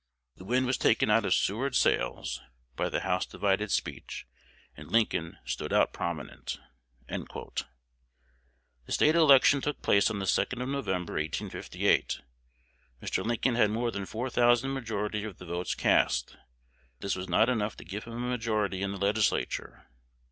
The wind was taken out of Seward's sails (by the House divided Speech), and Lincoln stood out prominent." The State election took place on the 2d of November, 1858. Mr. Lincoln had more than four thousand majority of the votes cast; but this was not enough to give him a majority in the Legislature.